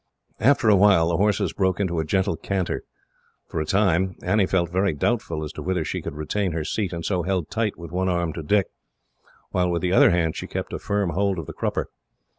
After a while, the horses broke into a gentle canter. For a time, Annie felt very doubtful as to whether she could retain her seat, and so held tight with one arm to Dick, while with the other hand she kept a firm hold of the crupper.